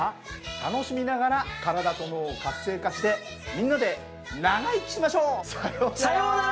楽しみながら体と脳を活性化してみんなで長生きしましょう！さようなら。